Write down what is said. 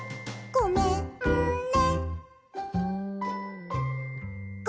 「ごめんね」